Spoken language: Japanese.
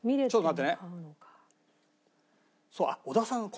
ちょっと待って。